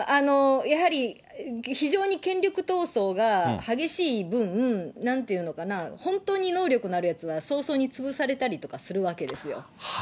やはり非常に権力闘争が激しい分、なんて言うのかな、本当に能力のあるやつは早々に潰されたりとかするわけですよ。